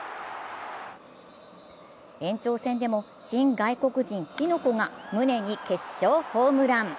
延長戦でも新外国人・ティノコが宗に決勝ホームラン。